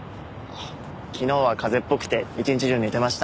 昨日は風邪っぽくて一日中寝てました。